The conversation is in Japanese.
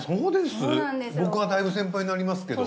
僕はだいぶ先輩になりますけど。